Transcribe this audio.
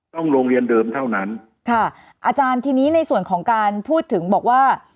โรงเรียนเดิมเท่านั้นค่ะอาจารย์ทีนี้ในส่วนของการพูดถึงบอกว่า